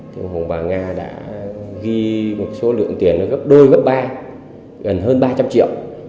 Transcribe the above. thì ông hùng và nga đã ghi một số lượng tiền gấp đôi gấp ba gần hơn ba trăm linh triệu